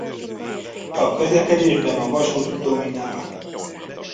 A közlekedésben a vasút dominál.